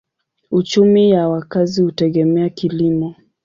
Uchumi ya wakazi hutegemea kilimo.